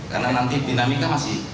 karena nanti dinamika masih